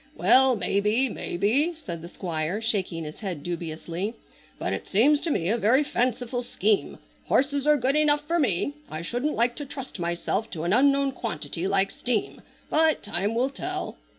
"Well, maybe, maybe," said the Squire shaking his head dubiously, "but it seems to me a very fanciful scheme. Horses are good enough for me. I shouldn't like to trust myself to an unknown quantity like steam, but time will tell."